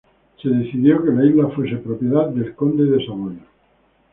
Se decidió que la isla fuese propiedad del Conde de Saboya.